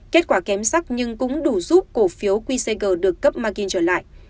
kết quả kém sắc nhưng cũng đủ giúp cổ phiếu quy sager được cấp margin trở lại